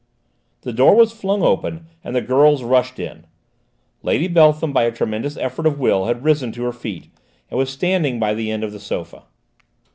The door was flung open and the girls rushed in. Lady Beltham by a tremendous effort of will had risen to her feet, and was standing by the end of the sofa.